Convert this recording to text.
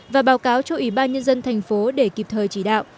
và báo cáo cho ủy ban nhân dân thành phố để kịp thời chỉ đạo